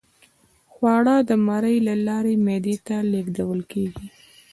خواړه د مرۍ له لارې معدې ته لیږدول کیږي